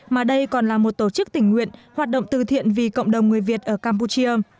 mà đây còn là một tổ chức tình nguyện hoạt động từ thiện vì cộng đồng người việt ở campuchia